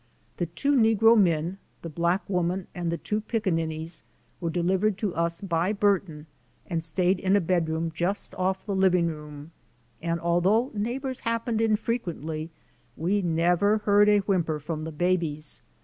The two negro men, the black woman and two pickaninnies were delivered to us by Burton and stayed in a bedroom just off the living room, and although neighbors happened in frequently we never heard a whimper from the babies.